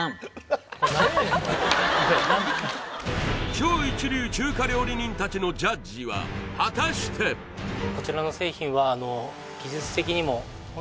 超一流中華料理人たちのジャッジは果たしてと思っております